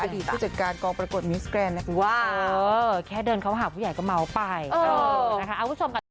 อดีตผู้จัดการกองปรากฏมิวส์แกนแค่เดินเขาหาผู้ใหญ่ก็เมาไปเออเอาผู้ชมกัน